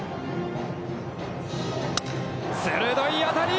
鋭い当たり！